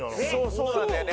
そうなんだよね。